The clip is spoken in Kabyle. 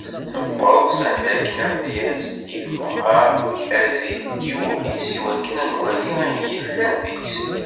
Newweḍ s anda akken amedyaz ibɣa ad d-ildi ul-is i wakken ad nwali ayen yellan deg-s.